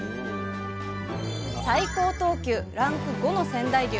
最高等級ランク５の仙台牛